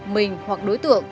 mình hoặc đối tượng